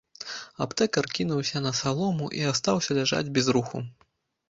Аптэкар кінуўся на салому і астаўся ляжаць без руху.